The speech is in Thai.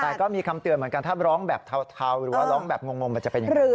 แต่ก็มีคำเตือนเหมือนกันถ้าร้องแบบเทาหรือว่าร้องแบบงงมันจะเป็นอย่างไร